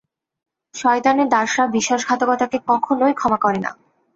শয়তানের দাসরা বিশ্বাসঘাতকতাকে কখনই ক্ষমা করে না।